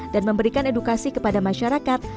dan memberikan edukasi kepada masyarakat